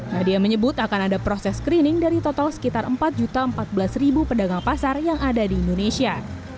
nadia menyebut akan ada proses screening dari total sekitar empat empat belas pedagang pasar yang ada di indonesia